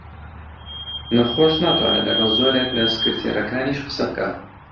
نەخۆش ناتوانێ لەگەڵ زۆرێک لە سکرتێرەکانیش قسە بکا